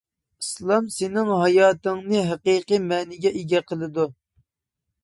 ئىسلام سېنىڭ ھاياتىڭنى ھەقىقىي مەنىگە ئىگە قىلىدۇ.